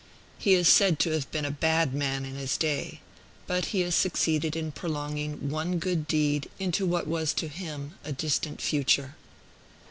He is said to have been a bad man in his day; but he has succeeded in prolonging one good deed into what was to him a distant future.